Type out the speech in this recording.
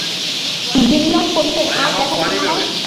বিল্বন কহিলেন, আর দেখা যদি না হয়।